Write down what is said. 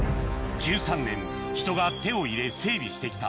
１３年人が手を入れ整備して来た